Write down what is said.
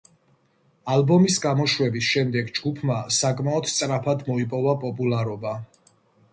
ალბომის გამოშვების შემდეგ ჯგუფმა საკმაოდ სწრაფად მოიპოვა პოპულარობა.